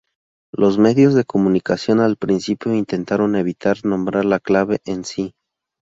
Los medios de comunicación al principio intentaron evitar nombrar la clave en sí.